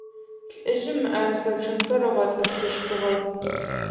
Лӏыжъым мыӏэрысэ чъыгхэр ыгъэтӏысыщтыгъэх.